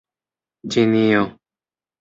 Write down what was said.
ĉinio